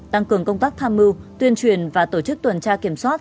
tăng cường công tác tham mưu tuyên truyền và tổ chức tuần tra kiểm soát